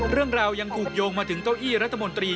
เรื่องราวยังถูกโยงมาถึงเก้าอี้รัฐมนตรี